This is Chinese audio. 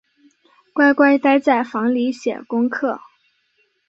乖乖待在房里写功课